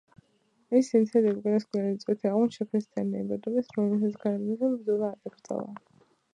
ეს ინციდენტი უკანასკნელი წვეთი აღმოჩნდა ქრისტიანი იმპერატორისთვის, რომელმაც გლადიატორთა ბრძოლა აკრძალა.